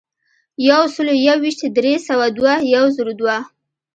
یو سلو یو ویشت ، درې سوه دوه ، یو زرو دوه.